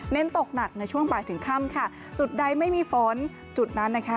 ตกหนักในช่วงบ่ายถึงค่ำค่ะจุดใดไม่มีฝนจุดนั้นนะคะ